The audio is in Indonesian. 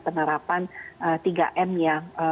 penerapan tiga m yang